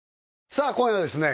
さあ今夜はですね